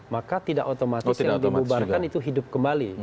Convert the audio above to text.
maka tidak otomatis yang dibubarkan itu hidup kembali